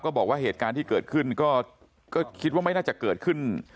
บอกว่าเหตุการณ์ที่เกิดขึ้นก็คิดว่าไม่น่าจะเกิดขึ้น